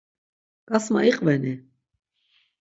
Ǩasma iqveni?